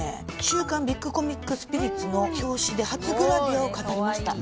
「週刊ビッグコミックスピリッツ」の表紙で初グラビアを飾りました